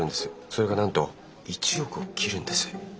それがなんと１億を切るんです。